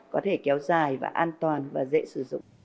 có thể kéo dài và an toàn và dễ sử dụng